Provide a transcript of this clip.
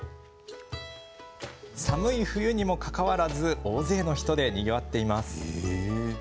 寒い冬にもかかわらず大勢の人でにぎわっています。